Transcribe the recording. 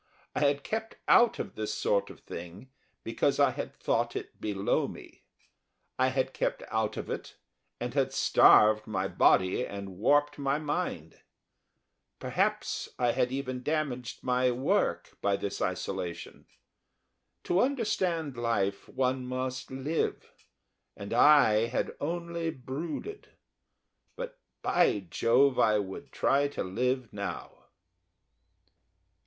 I had kept out of this sort of thing because I had thought it below me; I had kept out of it and had starved my body and warped my mind. Perhaps I had even damaged my work by this isolation. To understand life one must live and I had only brooded. But, by Jove, I would try to live now.